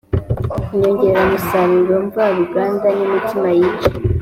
Inyongeramusaruro mvaruganda n imiti yica